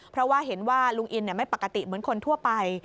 เพราะว่าเห็นว่าลุงอินไม่ปกติเหมือนคนทั่วไป